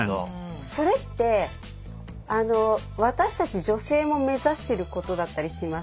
それって私たち女性も目指してることだったりしません？